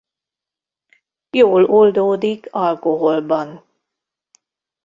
Jól oldódik alkoholban.